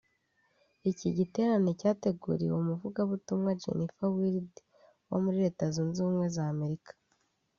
Iki giterane cyateguriwe umuvugabutumwa Jennifer Wilde wo muri Leta Zunze Ubumwe za Amerika